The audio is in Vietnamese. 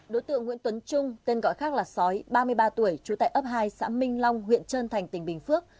đối tượng nguyễn tuấn trung tên gọi khác là sói ba mươi ba tuổi trú tại ấp hai xã minh long huyện trơn thành tỉnh bình phước